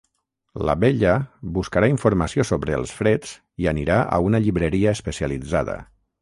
La Bella buscarà informació sobre els freds i anirà a una llibreria especialitzada.